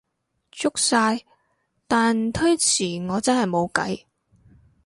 足晒，但推遲我真係無計